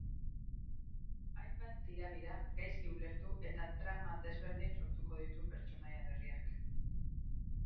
Hainbat tirabira, gaizki ulertu eta trama desberdin sortuko ditu pertsonaia berriak.